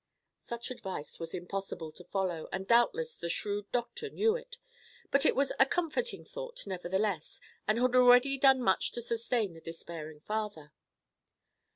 Such advice was impossible to follow, and doubtless the shrewd doctor knew it; but it was a comforting thought, nevertheless, and had already done much to sustain the despairing father.